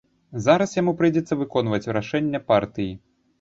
Зараз яму прыйдзецца выконваць рашэнне партыі.